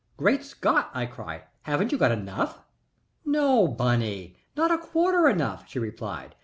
"Great Scot!" I cried. "Haven't you got enough?" "No, Bunny. Not a quarter enough," she replied.